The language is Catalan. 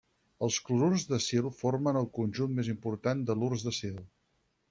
Els clorurs d'acil formen el conjunt més important d'halurs d'acil.